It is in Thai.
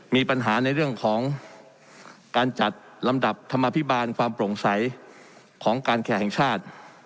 มีปัญหาในเรื่องของการจัดลำดับธรรมภิบาลความโปร่งใสของการแขกแห่งชาติ